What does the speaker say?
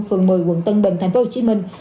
phường một mươi quận tân bình tp hcm